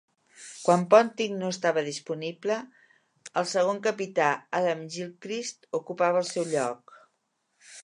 Quan Ponting no estava disponible, el segon capità Adam Gilchrist ocupava el seu lloc.